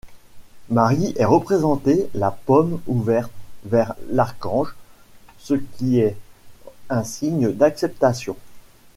Marie est représentée la paume ouverte vers l'archange, ce qui est un signe d'acceptation.